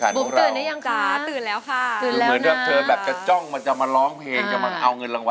คนเป็นดีเจยก็ต้องเก่งนะฮะ